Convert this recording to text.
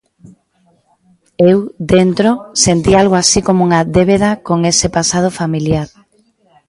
Eu, dentro, sentía algo así como unha débeda con ese pasado familiar.